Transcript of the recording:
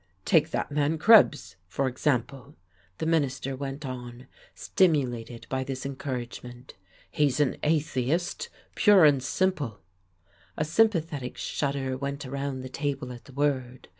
"Take that man Krebs, for example," the minister went on, stimulated by this encouragement, "he's an atheist, pure and simple." A sympathetic shudder went around the table at the word.